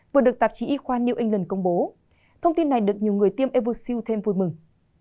vừa được tạp chí y khoa new england công bố thông tin này được nhiều người tiêm evosiu thêm vui mừng